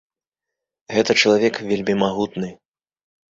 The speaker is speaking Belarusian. Гэта чалавек вельмі магутны.